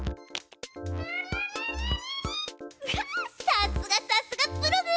さすがさすがプログ！